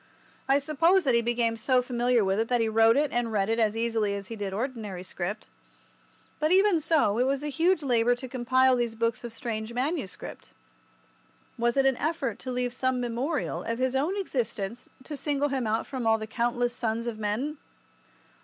I suppose that he became so familiar with it that he wrote it and read it as easily as he did ordinary script. But even so, it was a huge labour to compile these books of strange manuscript. Was it an effort to leave some memorial of his own existence to single him out from all the countless sons of men?